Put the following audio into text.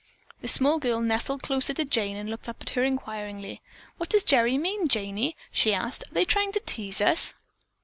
The small girl nestled closer to Jane and looked up at her inquiringly. "What does Gerry mean, Janey?" she asked. "Are they trying to tease us?"